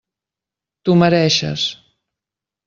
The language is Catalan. T'ho mereixes.